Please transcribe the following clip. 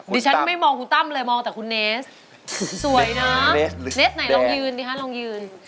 ดิฉันไม่มองคุณตั้มเลยมองแต่คุณเนสสวยนะเนสไหนลองยืนดิฮะลองยืน